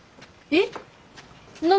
えっ！？